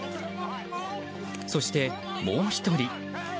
そして、もう１人。